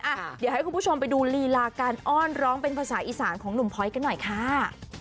อ่ะเดี๋ยวให้คุณผู้ชมไปดูลีลาการอ้อนร้องเป็นภาษาอีสานของหนุ่มพลอยกันหน่อยค่ะ